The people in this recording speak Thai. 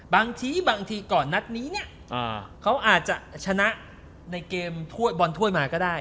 บางทีบางทีก่อนนัดนี้เนี่ยเขาอาจจะชนะในเกมบอลถ้วยมาก็ได้